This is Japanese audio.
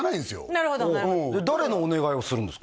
なるほどなるほど誰のお願いをするんですか？